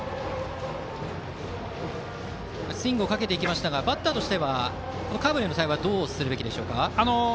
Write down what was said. スイングをかけましたがバッターとしてはこのカーブへの対応はどうすべきでしょうか。